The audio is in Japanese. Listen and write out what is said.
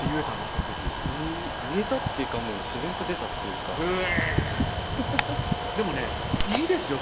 その時言えたっていうか自然と出たっていうかへぇでもねいいですよ